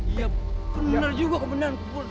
iya benar juga komandan kuburan